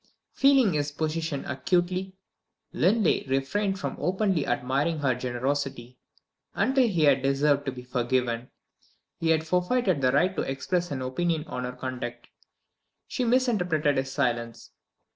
Feeling his position acutely, Linley refrained from openly admiring her generosity. Until he had deserved to be forgiven, he had forfeited the right to express an opinion on her conduct. She misinterpreted his silence.